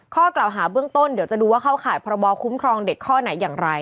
ข้อกล่าวหาเบื้องต้นเดี๋ยวจะดูว่าเข้าข่ายพรบคุ้มครองเด็กข้อไหนอย่างไร